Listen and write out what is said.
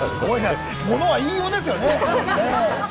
ものは言いようですね。